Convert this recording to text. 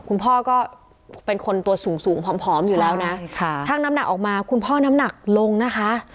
คุณพ่อก็เป็นคนตัวสูงสูงผอมอยู่แล้วนะช่างน้ำหนักออกมาคุณพ่อน้ำหนักลงนะคะ